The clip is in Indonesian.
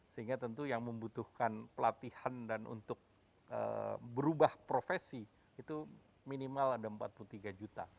sehingga tentu yang membutuhkan pelatihan dan untuk berubah profesi itu minimal ada empat puluh tiga juta